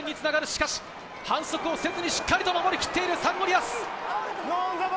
しかし、反則をせずに、しっかりと守りきっているサンゴリアス。